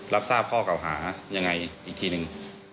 รับทราบข้อเก่าหายังไงอีกทีหนึ่ง